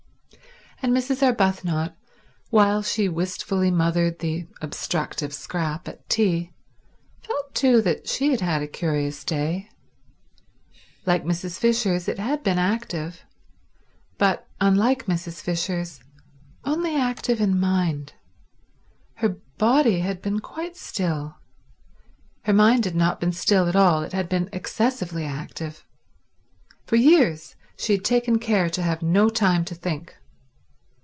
And Mrs. Arbuthnot, while she wistfully mothered the obstructive Scrap at tea, felt too that she had had a curious day. Like Mrs. Fisher's, it had been active, but, unlike Mrs. Fisher's, only active in mind. Her body had been quite still; her mind had not been still at all, it had been excessively active. For years she had taken care to have no time to think.